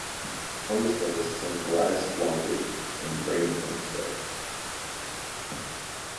Hongisto was the son of Gladys Longrie and Raymond Hongisto.